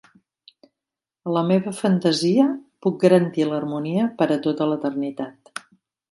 A la meva fantasia, puc garantir l'harmonia per a tota l'eternitat.